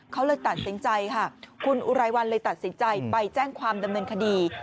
เขาเลยตัดสินใจค่ะคุณอุไรวันเลยตัดสินใจไปแจ้งความดำเนินคดี